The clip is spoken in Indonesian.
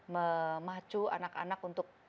memacu anak anak untuk